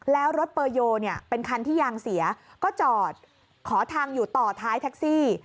แล้วรถเปอร์โยเป็นคันที่ยางเสียก็จอดขอทางอยู่ต่อท้ายแท็กซี่